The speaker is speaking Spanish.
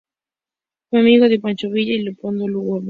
Fue amigo de Pancho Villa y de Leopoldo Lugones.